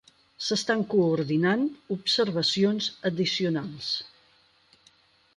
S'estan coordinant observacions addicionals.